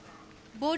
ボール？